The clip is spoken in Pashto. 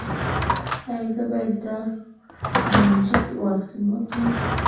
ایا زه باید د مننجیت واکسین وکړم؟